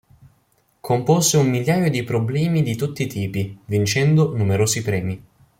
Compose un migliaio di problemi di tutti i tipi, vincendo numerosi premi.